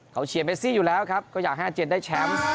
เขาเชียร์เมซี่อยู่แล้วครับก็อยากให้อาเจนได้แชมป์